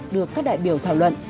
được các đại biểu thảo luận